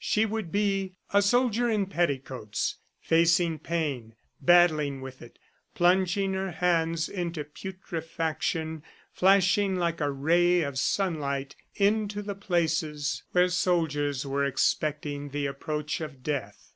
... She would be, a soldier in petticoats, facing pain, battling with it, plunging her hands into putrefaction, flashing like a ray of sunlight into the places where soldiers were expecting the approach of death.